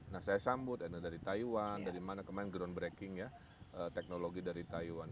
nah saya sambut dari taiwan dari mana kemarin groundbreaking ya teknologi dari taiwan